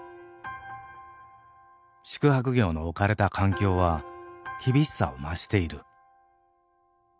宿泊業の置かれた環境は厳しさを増している。